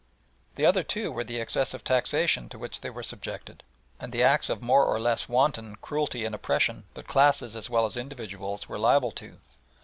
The other two were the excessive taxation to which they were subjected, and the acts of more or less wanton cruelty and oppression that classes as well as individuals were liable to.